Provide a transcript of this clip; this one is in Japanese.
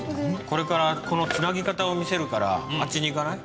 これからこのつなぎ方を見せるからあっちに行かない？